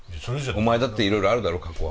お前だっていろいろあるだろ過去は。